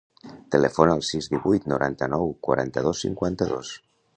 Telefona al sis, divuit, noranta-nou, quaranta-dos, cinquanta-dos.